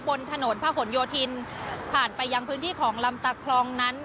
บนถนนพระหลโยธินผ่านไปยังพื้นที่ของลำตาคลองนั้น